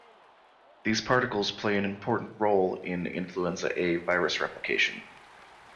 These particles play an important role in influenza A virus replication.